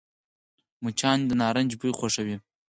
مچان د نارنج بوی خوښوي